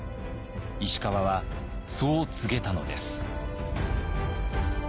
石川はそう告げたのです。